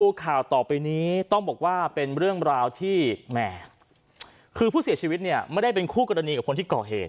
ข่าวต่อไปนี้ต้องบอกว่าเป็นเรื่องราวที่แหม่คือผู้เสียชีวิตเนี่ยไม่ได้เป็นคู่กรณีกับคนที่ก่อเหตุ